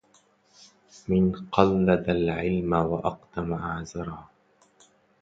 من قلد العلما واقدم أعذرا